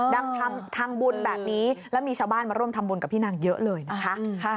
ทำบุญแบบนี้แล้วมีชาวบ้านมาร่วมทำบุญกับพี่นางเยอะเลยนะคะ